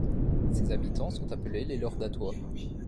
Ses habitants sont appelés les Lordatois.